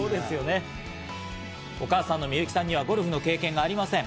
お母さんのみゆきさんにはゴルフの経験がありません。